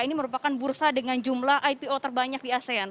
ini merupakan bursa dengan jumlah ipo terbanyak di asean